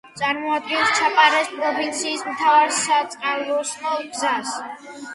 წარმოადგენს ჩაპარეს პროვინციის მთავარ საწყალოსნო გზას.